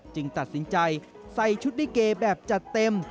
จึงตัดสินใจใส่ชุดลิเกย์แบบจะเต็ม